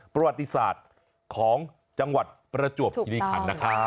ประวัติศาสตร์ของจังหวัดประจวบคิริขันนะครับ